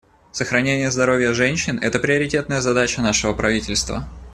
Сохранение здоровья женщин — это приоритетная задача нашего правительства.